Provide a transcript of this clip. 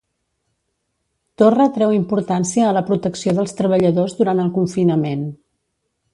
Torra treu importància a la protecció dels treballadors durant el confinament